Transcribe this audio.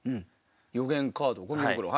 予言カードごみ袋。